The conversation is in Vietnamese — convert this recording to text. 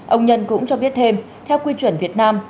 ông nhân cũng cho biết thêm theo quy chuẩn việt nam